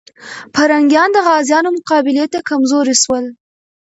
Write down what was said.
پرنګیان د غازيانو مقابلې ته کمزوري سول.